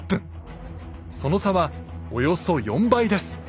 その差はおよそ４倍です。